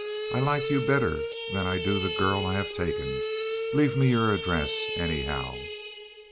"I like you better than I do the girl I have taken. Leave me your address, anyhow."